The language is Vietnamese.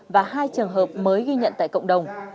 và hai trường hợp mới ghi nhận tại cộng đồng